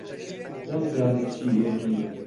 نەمزانی چی ئێژێ،